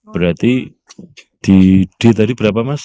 berarti di d tadi berapa mas